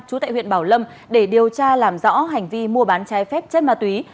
chú tại huyện bảo lâm để điều tra làm rõ hành vi mua bán trái phép chất ma túy